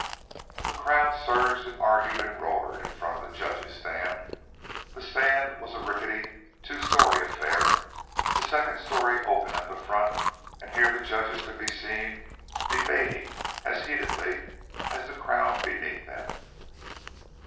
The crowd surged and argued and roared in front of the judges' stand. The stand was a rickety, two story affair, the second story open at the front, and here the judges could be seen debating as heatedly as the crowd beneath them.